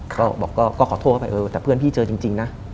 ก็บอกก็ขอโทษเข้าไปเออแต่เพื่อนพี่เจอจริงนะ